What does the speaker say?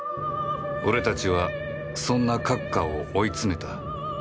俺たちはそんな閣下を追い詰めた